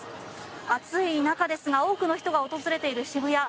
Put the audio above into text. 暑い中ですが多くの人が訪れている渋谷。